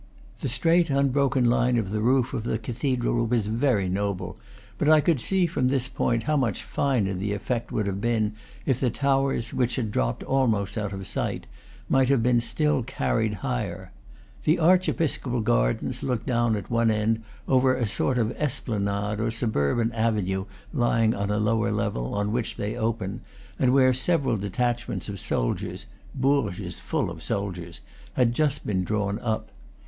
The straight, unbroken line of the roof of the cathedral was very noble; but I could see from this point how much finer the effect would have been if the towers, which had dropped almost out of sight, might have been carried still higher. The archiepiscopal gardens look down at one end over a sort of esplanade or suburban avenue lying on a lower level, on which they open, and where several detachments of soldiers (Bourges is full of soldiers) had just been drawn up.